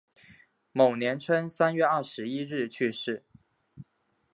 某年春三月二十一日去世。